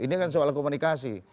ini kan soal komunikasi